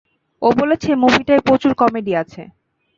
ও বলেছে, মুভিটায় প্রচুর কমেডি আছে!